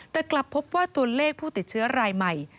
แต่กลับพบว่าตัวเลขผู้ติดเชื้อรายใหม่